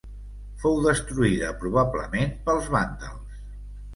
Fou destruïda probablement pels vàndals.